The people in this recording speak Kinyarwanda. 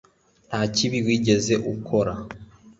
Nta kibi wigeze ukora